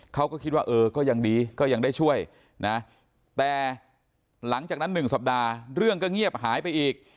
เขาก็คิดว่าเออก็ยังดีก็ยังได้ช่วยนะแต่หลังจากนั้น๑สัปดาห์เรื่องก็เงียบหายไปอีก